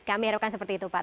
kami erokan seperti itu pak